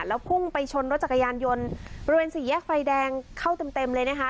แล้วพุ่งไปชนรถจักรยานยนต์บริเวณสี่แยกไฟแดงเข้าเต็มเต็มเลยนะคะ